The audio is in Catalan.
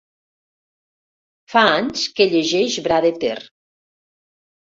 Fa anys que llegeix Bradeter.